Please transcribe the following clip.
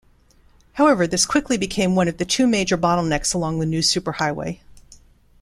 However, this quickly became one of the two major bottlenecks along the new superhighway.